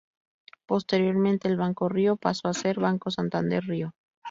Posteriormente, el banco Río pasó a ser Banco Santander Río.